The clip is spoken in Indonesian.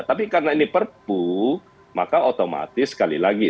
tapi karena ini perpu maka otomatis sekali lagi